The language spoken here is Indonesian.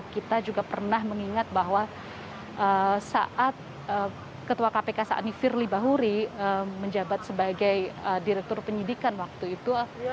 kita juga pernah mengingat bahwa saat ketua kpk saat ini firly bahuri menjabat sebagai direktur penyidikan waktu itu